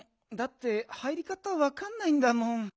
だって入りかたわかんないんだもん。